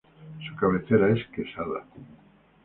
Su cabecera es Quesada.